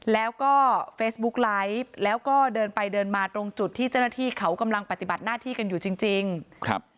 แล้วก็เฟซบุ๊กไลฟ์แล้วก็เดินไปเดินมาตรงจุดที่เจ้าหน้าที่เขากำลังปฏิบัติหน้าที่กันอยู่จริงจริงครับ